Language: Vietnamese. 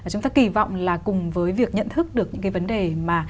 chúng ta kỳ vọng là cùng với việc nhận thức được những cái vấn đề mà